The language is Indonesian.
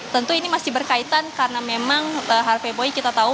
tentu ini masih berkaitan karena memang harveyboi kita tahu